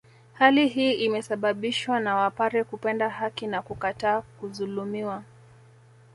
Hali hii imesababishwa na wapare kupenda haki na kukataa kuzulumiwa